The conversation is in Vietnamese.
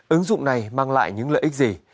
ứng dụng này mang lại những lợi ích gì